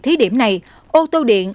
thí điểm này ô tô điện